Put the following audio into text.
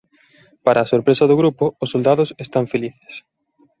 Para a sorpresa do grupo os soldados están felices.